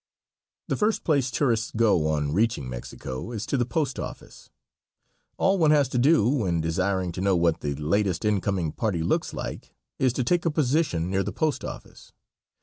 The first place tourists go on reaching Mexico is to the post office. All one has to do when desiring to know what the latest incoming party looks like, is to take a position near the post office.